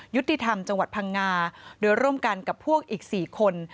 ยุติธรรมจังหวัดพังงาโดยร่วมกันกับพวกอีก๔คน